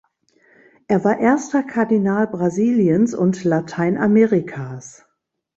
Er war erster Kardinal Brasiliens und Lateinamerikas.